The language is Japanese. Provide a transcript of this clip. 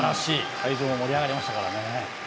会場も盛り上がりましたからね。